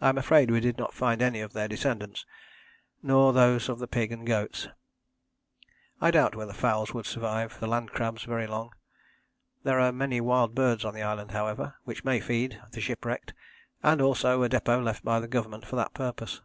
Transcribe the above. I am afraid we did not find any of their descendants, nor those of the pig and goats." I doubt whether fowls would survive the land crabs very long. There are many wild birds on the island, however, which may feed the shipwrecked, and also a depôt left by the Government for that purpose.